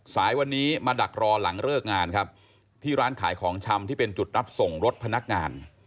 สายวันนี้มาดักรอหลังเลิกงานครับที่ร้านขายของชำที่เป็นจุดรับส่งรถพนักงาน